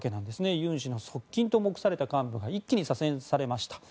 ユン氏の側近と目された幹部が一気に左遷されました。